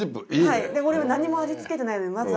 これは何も味付けてないので。